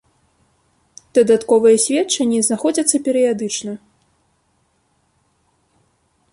Дадатковыя сведчанні знаходзяцца перыядычна.